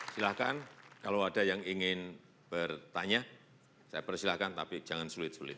silahkan kalau ada yang ingin bertanya saya persilahkan tapi jangan sulit sulit